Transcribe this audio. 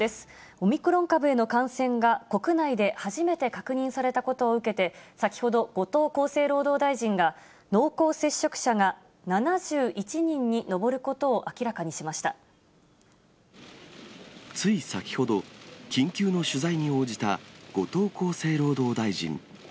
オミクロン株への感染が国内で初めて確認されたことを受けて、先ほど、後藤厚生労働大臣が濃厚接触者が７１人に上ることを明らかにしまつい先ほど、緊急の取材に応じた後藤厚生労働大臣。